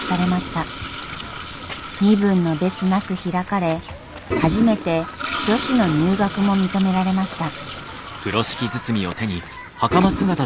身分の別なく開かれ初めて女子の入学も認められました。